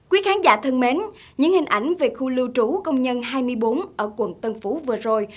quý khán giả thân mến những hình ảnh về khu lưu trú công nhân hai mươi bốn ở quận tân phú vừa rồi